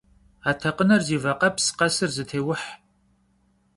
Atekhıner zi vakheps, khesır zıtêuh.